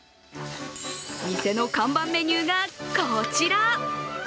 店の看板メニューがこちら。